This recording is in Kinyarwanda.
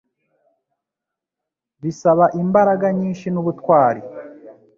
Bisaba imbaraga nyinshi nubutwari.